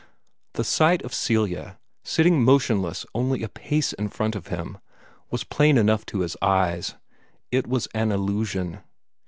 The sight of Celia, sitting motionless only a pace in front of him, was plain enough to his eyes. It was an illusion.